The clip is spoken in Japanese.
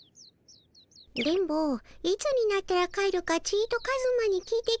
電ボいつになったら帰るかちっとカズマに聞いてきてたも。